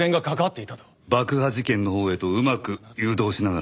爆破事件のほうへとうまく誘導しながらね。